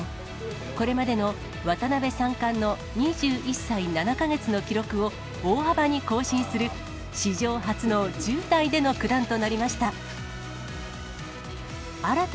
これまでの渡辺三冠の２１歳７か月の記録を大幅に更新する、史上初の１０代での九段となりました。